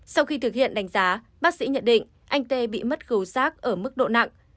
sau khi thực hiện đánh giá bác sĩ nhận định anh tê bị mất cầu giác ở mức độ nặng